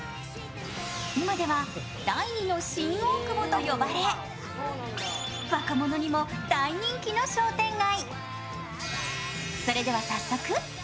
今では第２の新大久保と呼ばれ若者にも大人気の商店街。